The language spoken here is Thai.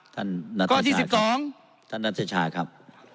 ท่านนัทชาครับข้อที่๑๒ท่านนัทชาครับ